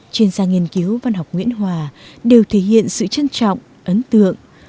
chuyên gia nghiên cứu văn học nguyễn hòa đều thể hiện sự trân trọng ấn tượng